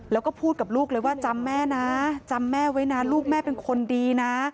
แล้วก็พูดกับลูกเลยว่าจำแม่นะจำแม่ไว้นะลูกแม่เป็นคนดีนะ